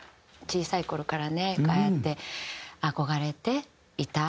小さい頃からねああやって憧れていた。